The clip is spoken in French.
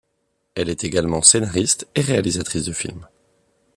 Elle est également scénariste et réalisatrice de films.